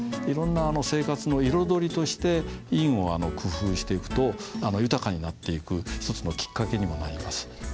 いろんな生活の彩りとして印を工夫していくと豊かになっていく一つのきっかけにもなります。